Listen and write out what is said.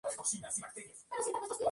El lago no tiene desagüe visible.